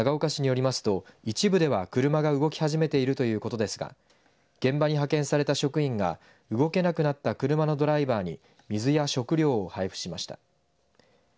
長岡市によりますと一部では車が動き始めているということですが現場に派遣された職員が動けなくなった車のドライバーに水や食料を配布しました。